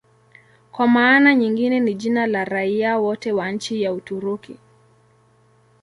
Kwa maana nyingine ni jina la raia wote wa nchi ya Uturuki.